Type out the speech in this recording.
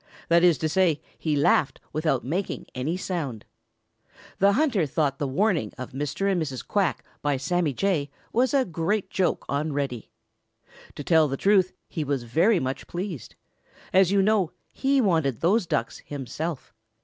That is to say, he laughed without making any sound. The hunter thought the warning of Mr. and Mrs. Quack by Sammy Jay was a great joke on Reddy. To tell the truth, he was very much pleased. As you know, he wanted those Ducks himself.